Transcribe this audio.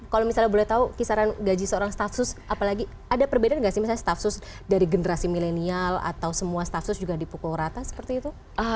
kalau misalnya boleh tau kisaran gaji seorang staff sus apalagi ada perbedaan gak sih staff sus dari generasi milenial atau semua staff sus juga dipukul rata seperti itu